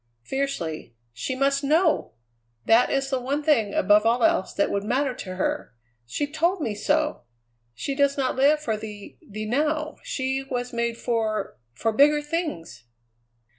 fiercely; "she must know! That is the one thing above all else that would matter to her; she told me so! She does not live for the the now; she was made for for bigger things!"